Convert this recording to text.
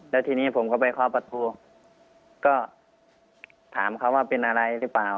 แล้วทีนี้ผมก็ไปเคาะประตูก็ถามเขาว่าเป็นอะไรหรือเปล่า